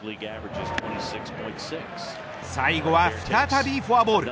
最後は再びフォアボール。